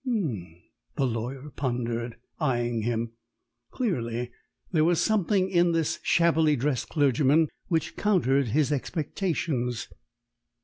"H'm" the lawyer pondered, eyeing him. Clearly there was something in this shabbily dressed clergyman which countered his expectations.